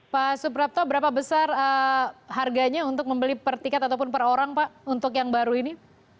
pak suprapto berapa besar harganya untuk membeli per tiket ataupun per orang pak untuk yang baru ini